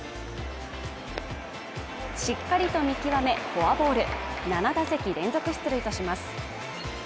しっかりと見極めフォアボール７打席連続出塁とします。